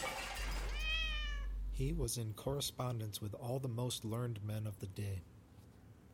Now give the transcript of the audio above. He was in correspondence with all the most learned men of the day.